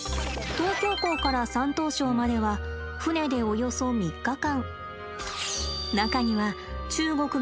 東京港から山東省までは船でおよそ３日間。